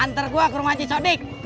antar gue ke rumah cik sodiq